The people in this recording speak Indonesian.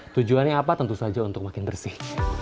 tujuan nya apa tentu saja untuk makin bersih